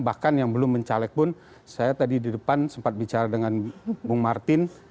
bahkan yang belum mencalek pun saya tadi di depan sempat bicara dengan bung martin